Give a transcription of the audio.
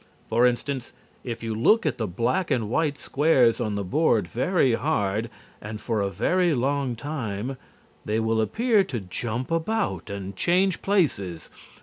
For instance, if you look at the black and white squares on the board very hard and for a very long time, they will appear to jump about and change places.